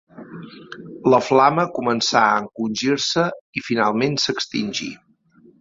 La flama començà a encongir-se i finalment s'extingí.